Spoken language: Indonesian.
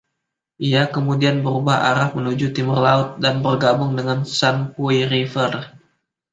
Ia kemudian berubah arah menuju timur-laut dan bergabung dengan Shan Pui River.